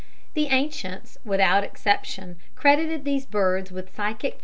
The ancients without exception credited these birds with psychic properties.